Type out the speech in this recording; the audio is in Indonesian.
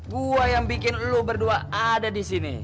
gua yang bikin lo berdua ada disini